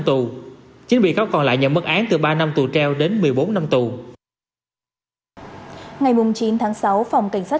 tù chín bị cáo còn lại nhận bức án từ ba năm tù treo đến một mươi bốn năm tù ngày chín tháng sáu phòng cảnh sát